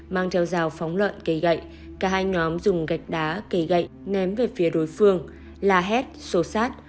mang theo rào phóng lợn cây gậy cả hai nhóm dùng gạch đá cây gậy ném về phía đối phương la hét sô sát